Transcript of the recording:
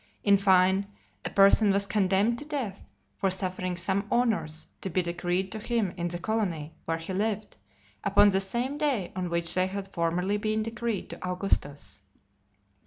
In fine, a person was condemned to death, for suffering some honours to be decreed to him in the colony where he lived, upon the same day on which they had formerly been decreed to Augustus.